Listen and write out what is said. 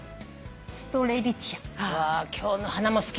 今日の花も好き。